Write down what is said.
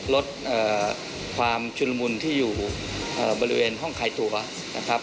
ลดความชุนละมุนที่อยู่บริเวณห้องคลายตัวนะครับ